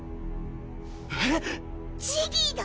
えぇ‼ジギーだ！